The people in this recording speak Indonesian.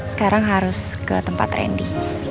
sekarang harus ke tempat trendy